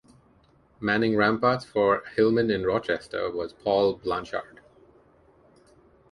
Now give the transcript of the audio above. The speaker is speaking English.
Manning ramparts for Hillman in Rochester was Paul Blanshard.